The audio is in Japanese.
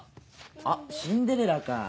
あっ『シンデレラ』か。